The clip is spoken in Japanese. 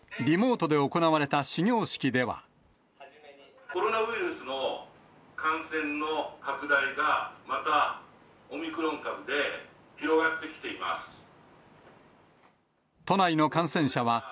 リモートで行われた始業式では。